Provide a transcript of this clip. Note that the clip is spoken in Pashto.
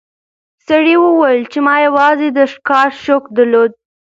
سړي وویل چې ما یوازې د ښکار شوق درلود.